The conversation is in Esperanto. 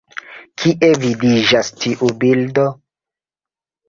Kie vidiĝas tiu bildo?